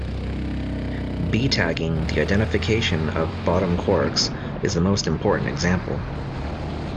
B-tagging, the identification of bottom quarks, is the most important example.